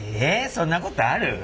そんなことある？